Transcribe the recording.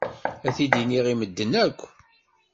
Ad t-id-iniɣ i medden akk.